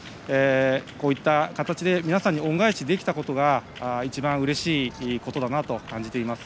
こういった形で皆さんに恩返しできたことが一番うれしいことだなと感じています。